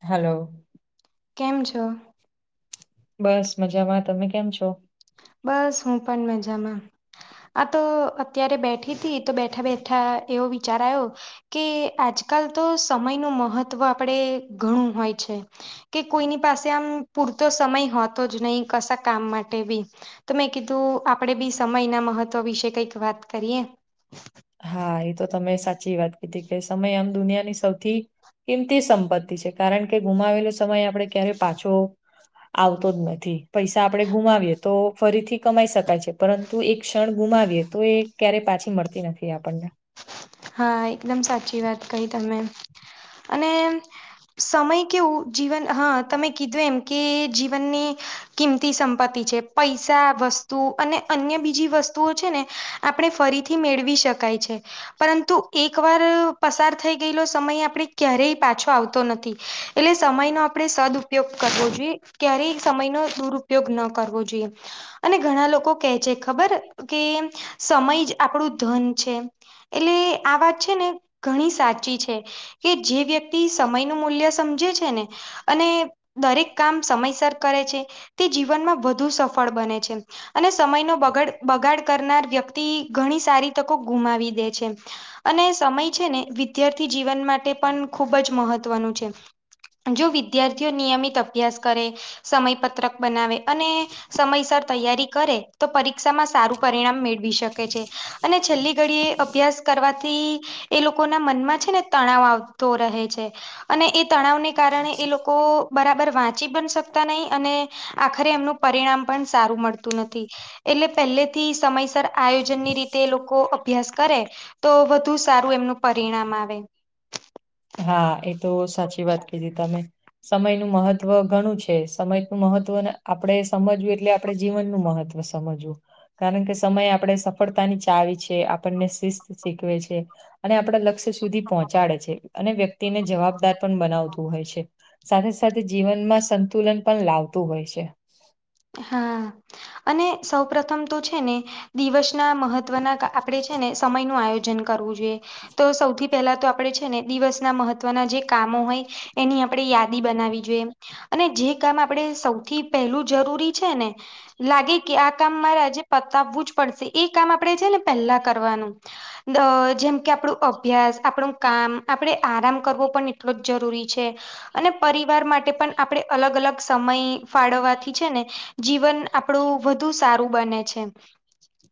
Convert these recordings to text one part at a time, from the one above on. Hello. કેમ છો. બસ મજામાં તમે કેમ છો? બસ હું પણ મજામાં. આ તો અત્યારે બેઠી તી તો બેઠાં- બેઠાં એવો વિચાર આયો, કે આજકાલ તો સમયનું મહત્વ આપડે ઘણું હોય છે. કે કોઈની પાસે આમ પૂરતો સમય હોતો જ નહી કશા કામ માટે બી તો મેં કીધું આપડે બી સમયના મહત્વ વિશે કઈક વાત કરીએ. હા એ તો તમે સાચી વાત કીધી કે સમય આમ દુનિયાની સૌથી કિંમતી સંપત્તિ છે કારણ કે ગુમાવેલો સમય આપડે ક્યારેય પાછો આવતો જ નથી પૈસા આપડે ગુમાવીએ તો ફરીથી કમાઈ શકાય છે પરં તું એક ક્ષણ ગુમાવીએ તો એ ક્યારેય પાછી મળતી નથી આપણને. હા, એકદમ સાચી વાત કહી તમે અને સમય કેવું જીવન હા તમે કીધું એમ કે જીવનની કિંમતી સંપત્તિ છે પૈસા, વસ્તુ અને અન્ય બીજી વસ્તુઓ છે ને આપણે ફરીથી મેળવી શકાય છે. પરંતુ, એક વાર પસાર થઈ ગયેલો સમય, આપણે ક્યારેય પાછો આવતો નથી. એટલે, સમય નો આપણે સદઉપયોગ કરવો જોઈએ. ક્યારેય, સમય નો દુરુપયોગ ન કરવો જોઈએ. અને ઘણા લોકો કહે છે, ખબર? કે, સમય જ આપણું ધન છે. એટલે આ વાત છે ને, ઘણી સાચી છે. કે, જે વ્યક્તિ, સમય નું મૂલ્ય સમજે છે ને! અને, દરેક કામ સમયસર કરે છે, તે, જીવનમાં વધુ સફળ બને છે. અને, સમયનો બગડ બગાડ કરનાર વ્યક્તિ, ઘણી સારી તકો ગુમાવી દે છે. અને, સમય છે ને, વિદ્યાર્થી જીવન માટે પણ ખૂબ જ મહત્વનું છે. જો, વિદ્યાર્થીઓ નિયમિત અભ્યાસ કરે, સમયપત્રક બનાવે અને- સમયસર તૈયારી કરે, તો પરીક્ષામાં સારું પરિણામ મેળવી શકે છે. અને છેલ્લી ઘડીએ- -અભ્યાસ કરવાથી, એ લોકો ના મનમાં છે ને, તણાવ આવતો રહે છે. અને, એ તણાવને કારણે, એ લોકો બરાબર વાંચી પણ શકતા નહી. અને- -આખરે એમનું પરિણામ પણ સારું મળતું નથી. એટલે પહેલે થી, સમયસર આયોજન ની રીતે લોકો અભ્યાસ- -કરે તો વધુ સારું એમનું પરિણામ આવે. હા, એ તો સાચી વાત કીધી તમે. સમયનું મહત્વ ઘણું છે. સમયનું મહત્વ આપણે સમજવું, એટલે આપણે જીવનનું મહત્વ- -સમજવું. કારણ કે, સમય આપણે સફળતાની ચાવી છે, પણને શિસ્ત શીખવે છે. અને, આપણા લક્ષ્ય સુધી પહોંચાડે છે. અને વ્યક્તિને જવાબદાર પણ બનાવતું હોય છે. સાથે સાથે, જીવનમાં સંતુલન પણ લાવતું હોય છે. હા, અને સૌ પ્રથમ તો છે ને- દિવસના મહત્વના, આપણે છે ને, સમયનું આયોજન કરવું જોઈએ. તો સૌથી- -પેલા તો આપણે છે ને, દિવસના મહત્વના જે કામો હોય એની આપણે યાદી બનાવી જોઈએ. અને જે કામ, આપણેે સૌથી પહેલું જરૂરી છે ને- લાગે કે આ કામ મારે આજે પતાવવું જ પડશે, એ કામ આપણે છે ને પેલા કરવાનું. અ જેમ કે, આપણું અભ્યાસ, આપણું કામ, આપણેે આરામ કરવો પણ એટલો જ જરૂરી છે. અને, પરિવાર માટે પણ, આપણેે અલગ અલગ સમય ફાળવાથી- છે ને! જીવન આપણું વધુ સારું બને છે.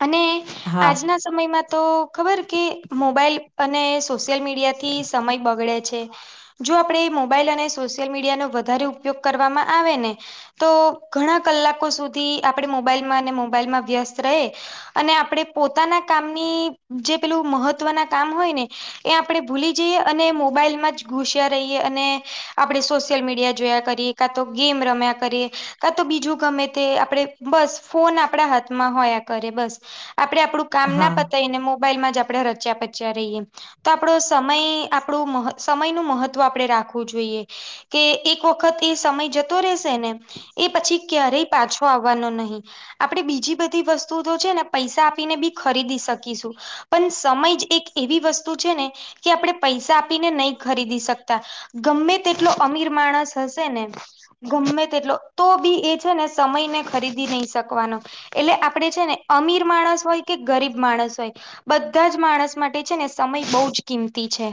અને- હા આજના સમયમાં, તો ખબર કે મોબાઈલ અને સોશિયલ મીડિયાથી સમય બગડે છે. જો, આપણે એ, મોબાઈલ અને સોશિયલ મીડિયાનો વધારે ઉપયોગ કરવામાં આવે ને તો. ઘણા કલાકો સુધી? આપડે મોબાઈલમાં અને મોબાઈલમાં વ્યસ્ત રહે- અને, આપણેે પોતાના કામની, જે પેલું મહત્વના કામ હોય ને- એ આપણે ભૂલી જઈએ, અને મોબાઈલમાં જ ઘુસ્યા રહીએ. અને આપણે સોશિયલ મીડિયા જોયા કરીએ. કા, તો ગેમ રમ્યા કરીએ- કા, તો બીજું ગમે તે, આપણે બસ ફોન આપણા હાથમાં હોયા કરે. બસ આપડે આપણું- કામ ના હા પતાય ને, મોબાઈલમાં જ આપણે રચ્યા પચ્યા રહીએ. તો, આપણો સમય, આપણું સમયનું મહત્વ આપણેે રાખવું જોઈએ. કે, એક વખત એ સમય જતો રહેશે ને. એ પછી, ક્યારેય પાછો આવવાનો નહી. આપણે બીજી બધી વસ્તુ તો છે ને પૈસા આપીને બી ખરીદી શકીશું. પણ, સમય જ એક એવી વસ્તુ છે ને, કે આપણે પૈસા આપીને નહી ખરીદી શકતા. ગમે તેટલો અમીર માણસ હશે ને, ગમે તેટલો- તો બી, એ છે ને, સમય ને ખરીદી નહી શકવાનો. એટલે આપડે છે ને અમીર માણસ હોય કે ગરીબ માણસ હોય બધા જ માણસ માટે છે ને સમય બહુ જ કિંમતી છે.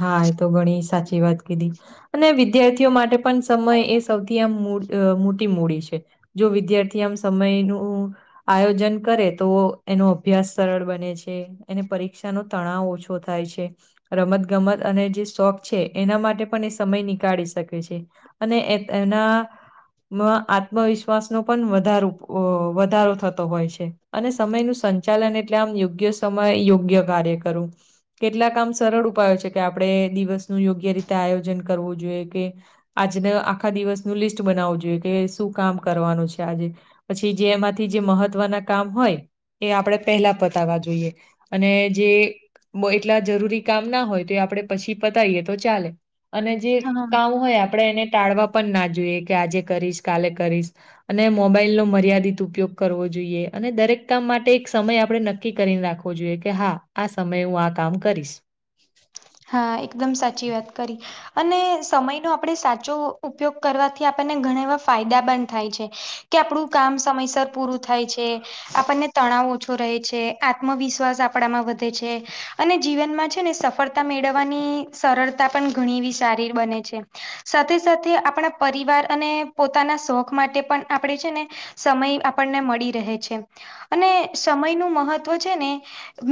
હા એ તો ઘણી સાચી વાત કીધી અને વિદ્યાર્થીઓ માટે પણ સમય એ સૌથી આમ મોટ મોટી મૂડી છે. જો વિદ્યાર્થી આમ સમયનું આયોજન કરે તો એનો અભ્યાસ સરળ બને છે. એને પરીક્ષા નો તણાવ ઓછો થાય છે રમત ગમત અને જે શોખ છે એના માટે પણ એ સમય નીકાળી શકે છે. અને એ તેના મ આત્મવિશ્વાસનો પણ વધારો વધારો થતો હોય છે. અને સમયનુ સંચાલન એટલે આમ યોગ્ય સમય યોગ્ય કાર્ય કરું. કેટલા કામ સરળ ઉપાયો છે કે આપણે દિવસનું યોગ્ય રીતે આયોજન કરવું જોઈએ કે. આજને આખા દિવસનું લિસ્ટ બનાવવું જોઈએ કે શું કામ કરવાનું છે આજે પછી જે એમાંથી જે મહત્વના કામ હોય એ આપડે પેલા પતાવા જોઈએ અને જે એટલા જરૂરી કામ ના હોય તે આપણે પછી પતાઈએ તો ચાલે અને જે હા કામ હોય આપડે એને ટાળવા પણ ના જોઈએ કે આજે કરીશ કાલે કરીશ અને મોબાઈલ નો મર્યાદિત ઉપયોગ કરવો જોઈએ અને દરેક કામ માટે એક સમય આપડે નકી નક્કી કરીને રાખવો જોઈએ કે હા આ સમયે હું આ કામ કરીશ હા એકદમ સાચી વાત કરી. અને સમય નો આપણે સાચો ઉપયોગ કરવાથી આપણને ઘણા એવા ફાયદા પણ થાય છે. કે આપણું કામ સમયસર પૂરું થાય છે. આપણને તણાવ ઓછો રહે છે આત્મવિશ્વાસ આપણામાં વધે છે અને જીવનમાં છે ને સફળ તા મેળવવાની સરળતા પણ ઘણી એવી સારી બને છે. સાથે સાથે આપણા પરિવાર અને પોતાના શોખ માટે પણ આપણે છે ને સમય આપણને મળી રહે છે અને સમય નું મહત્વ છે ને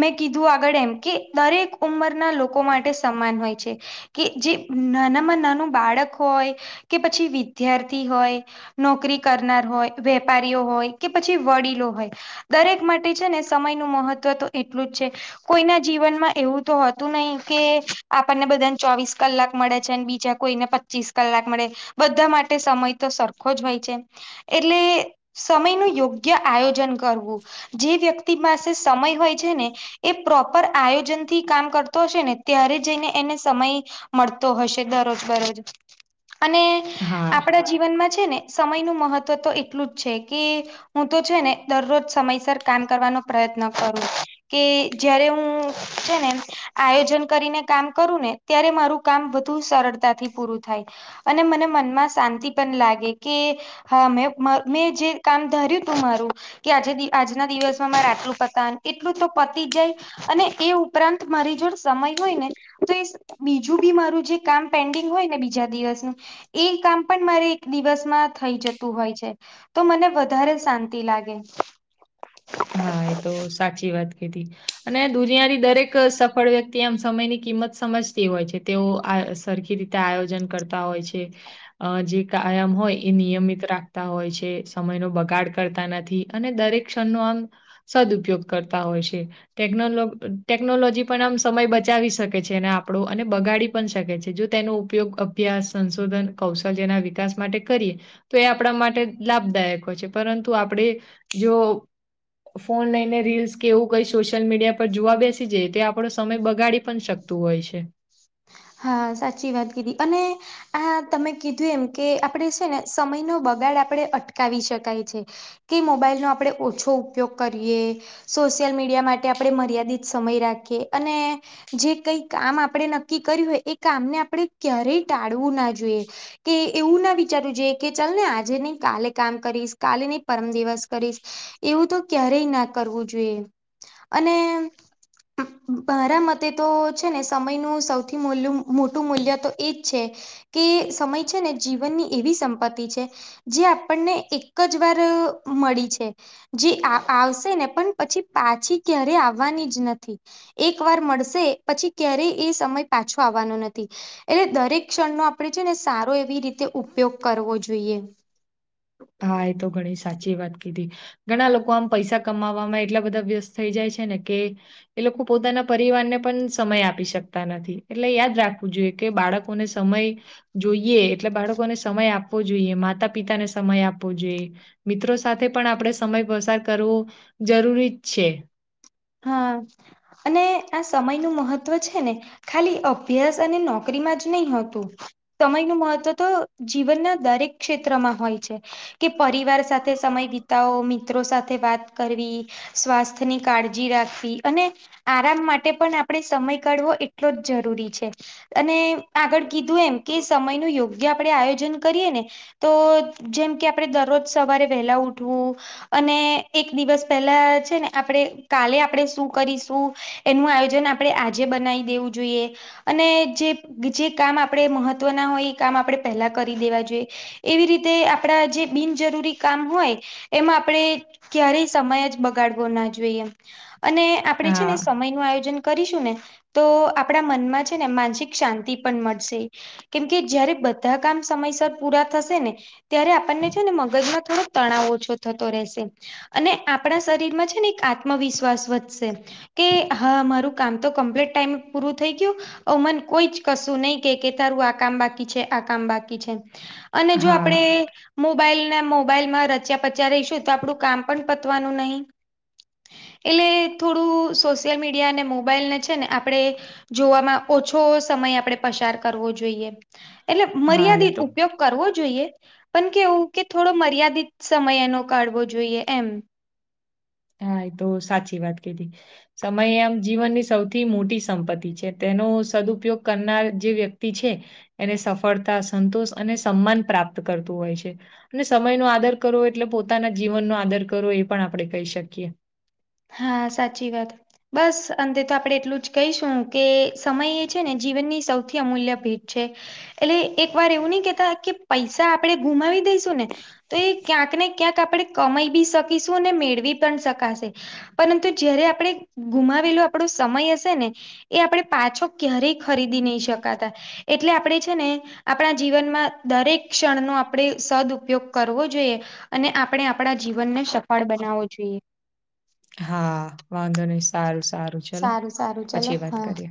મેં કીધું આગળ એમ કે દરેક ઉંમરના લોકો માટે સમાન હોય છે. કે જે નાનામાં નાનું બાળક હોય કે પછી વિદ્યાર્થી હોય નોકરી કરનાર હોય વેપારીઓ હોય કે પછી વડીલો હોય દરેક માટે છે ને સમયનું મહત્વ તો એટલું જ છે. કોઈના જીવનમાં એવું તો હોતું નહી. કે આપણને બધાને ચોવીસ કલાક મળે છે અને બીજા કોઈને પચીસ કલાક મળે બધા માટે સમય તો સરખો જ હોય છે. એટલે સમયનું યોગ્ય આયોજન કરવું. જે વ્યક્તિ માસે સમય હોય છે ને એ પ્રોપર આયોજન થી કામ કરતો હશે ને ત્યારે જઈને એને સમય મળતો હશે દરરોજ દરોજ અને હા આપણા જીવનમાં છે ને સમય નું મહત્વ તો એટલું જ છે કે હું તો છે ને દરરોજ સમયસર કામ કરવાનો પ્રયત્ન કરું. કે જયારે હું છે ને આયોજન કરીને કામ કરું ને ત્યારે મારું કામ વધુ સરળતાથી પૂરું થાય. અને મને મનમાં શાંતિ પણ લાગે કે હા મેં મેં જે કામ ધર્યું તું મારું કે આજે દિ આજના દિવસમાં મારા આટલું પતાવાનું એટલું તો પતી જાય અને એ ઉપરાંત મારી જોડ સમય હોય ને તો એ બીજું બી મારું જે કામ પેન્ડિંગ હોય ને બીજા દિવસનું એ કામ પણ મારે એક દિવસમાં થઈ જતું હોય છે. તો મને વધારે શાંતિ લાગે. હા, એ તો સાચી વાત કીધી અને દુનિયાની દરેક સફળ વ્યક્તિ આમ સમયની કિંમત સમજ. તી હોય છે, તેઓ આ સરખી રીતે આયોજન કરતા હોય છે. અ જે કાયમ હોય એ નિયમિત રાખતા હોય છે, સમયનો બગાડ કરતા નથી. અને દરેક ક્ષણનો આમ સદઉપયોગ કરતા હોય છે. ટેકનો ટેકનોલોજી પણ આમ સમય બચાવી શકે છે ને આપણો અને બગાડી. પણ શકે છે જો તેનો ઉપયોગ અભ્યાસ, સંશોધન, કૌશલ્યના વિકાસ માટે કરીએ તો. તો એ આપણા માટે લાભદાયક હોય છે, પરંતુ આપણે જો. ફોન લઈને રીલ્સ કે એવું કઈ સોશિયલ મીડિયા પર જોવા બેસી જાય તે આપણો સમય બગાડી પણ શક તો હોય છે. હા સાચી વાત કીધી અને. આ તમે કીધું એમ કે આપણેે છે ને સમયનો બગાડ આપણે અટકાવી શકાય છે. કે મોબાઈલનો આપણે ઓછો ઉપયોગ કરીએ. સોશિયલ મીડિયા માટે આપણે મર્યાદિત સમય રાખીએ અને જે કઈ કામ આપણે ન ક્કી કર્યું હોય એ કામને આપડે ક્યારેય ટાળવું ના જોઈએ. કે એવું ના વિચારવું જોઈએ કે, ચાલ ને આજે નઈ કાલે કામ કરીશ કાલે નહી પરમ દિવસ કરીશ. એવું તો ક્યારેય ના કરવું જોઈએ અને. મારા મતે તો છે ને સમયનું સૌ થી મોલ્યુ મોટું મૂલ્ય તો એજ છે. કે સમય છે ને જીવનની એવી સંપત્તિ છે. જે આપણને એક જ વાર મળી છે. જી આ આવશે ને પન પછી પાછી ક્યારે આવાની જ નથી. એક વાર મળશે પછી ક્યારેય એ સમય પાછો આવવાનો નથી. એટલે, દરેક ક્ષણનો આપણે છે ને સારો એવી રીતે ઉપયોગ કરવો જોઈએ. હા, એ તો ઘણી સાચી વાત કીધી. ઘણા લોકો આમ પૈસા કમાવામાં એટલા બધા વ્યસ્ત થઈ જાય છે ને કે. એ લોકો પોતાના પરિવારને પન સમય આપી શકતા નથી, એટલે યાદ રાખવું જોઈએ કે બાળ કોને સમય જોઈએ એટલે બાળકોને સમય આપવો જોઈએ માતા પિતાને. સમય આપવો જોઈએ, મિત્રો સાથે પણ આપણે સમય પસાર કરવો જરૂરી જ છે. હા, અને આ સમયનું મહત્વ છે ને. ખાલી અભ્યાસ અને નોકરીમાં જ નહી હતું. સમયનું મહત્વ તો જીવનના દરેક ક્ષેત્રમાં હોય છે. કે પરિવાર સાથે સમય વિતાવો, મિત્રો સાથે વાત કરવી, સ્વાસ્થ્યની કાળ જી રાખવી અને આરામ માટે પણ આપણે સમય કાઢવો એટલો જ જરૂરી છે. અને આગળ કીધું એમ કે, સમયનું યોગ્ય આપણે આયોજન કરીએ ને. તો જેમ કે આપણે દરરોજ સવારે વહેલા ઉઠવું. અને એક દિવસ પહેલા છે ને આપડે. કાલે આપડે શું કરીશું એનું આયોજન આપણે આજે બનાવી દેવું જોઈએ. અને જે બીજે કામ આપણે મહત્વના હોય એ કામ આપણે પહેલા કરી દેવા જોઈએ. એવી રીતે આપડા જે બિનજરૂરી કામ હોય. એમાં આપણે ક્યારેય સમય જ બગાડવો ના જોઈએ. અને આપણે છે ને હા સમયનું આયોજન. કરીશું ને તો આપડા મનમાં છે ને માનસિક શાંતિ પણ મળશે. કેમ કે, જયારે બધાં કામ સમયસર પૂરા થશે ને. ત્યારે આપનને છે ને મગજમાં થોડોક તણાવ ઓછો થતો રહેશે. અને આપણા શરીરમાં છે ને એક આત્મવિશ્વાસ વધશે. કે હા મારું કામ તો કમ્પ્લીટ ટાઈમ પૂરું થઈ ગયું. હવ મન કોઈ જ કશું નઈ કેય તારું આ કામ બાકી છે, આ કામ બાકી છે. અને જો આપડે હા મોબાઈલને મોબાઈલમાં રચ્યા પચ્યા રહીશું તો આપડું કામ પણ પતવાનું નહિં. એટલે થોડું સોશિયલ મીડિયા અને મોબાઈલને છે ને આપણે જોવામાં ઓછો સમય આપણેે પસાર કરવો જોઈએ, એટલે હા એ મર્યાદિત તો ઉપયોગ કરવો જોઈએ, પણ કેવું કે થોડો મર્યાદિત સમય એનો કાઢવો જોઈએ એમ. હા, એ તો સાચી વાત કીધી. સમય આમ જીવનની સૌથી મોટી સંપત્તિ છે. તેનો સદઉપયોગ કરનાર જે વ્યક્તિ છે. એને સફળતા, સંતોષ અને સમ્માન પ્રાપ્ત કરતું હોય છે. અને સમયનો આદર કરવો એટલે પોતાના જીવનનો આદર કરવો એ પણ આપણે કહી શકીએ. હા સાચી વાત. બસ અંતે તો આપણે એટલું જ કહીશું કે સમય એ છે ને જીવનની સૌથી અમૂલ્ય ભેટ છે. એટલે એક વાર એવું નઈ કેતા કે પૈસા આપણે ગુમાવી દઈશું ને તો એ ક્યાંકને ક્યાંક આપણે કમાઈ બી શકીશું અને મેળવી પણ શકાશે. પરંતુ જયારે આપણે ગુમાવેલું આપણો સમય હશે ને એ આપણે પાછો ક્યારેય ખરીદી નહીં શકાતા એટલે આપણે છે ને આપણા જીવનમાં દરેક ક્ષણનો આપણે સદઉપયોગ કરવો જોઈએ. અને આપણે આપણા જીવનને સફળ બનાવવો જોઈએ. હા, વાંધો નહીં, સારું- સારું ચલો સારું ચલો પછી વાત હા કરીએ.